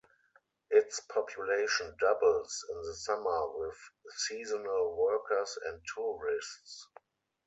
Its population doubles in the summer with seasonal workers and tourists.